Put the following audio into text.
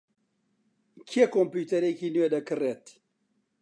کەی کۆمپیوتەرێکی نوێ دەکڕیت؟